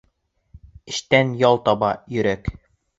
Эштән ял таба йөрәк.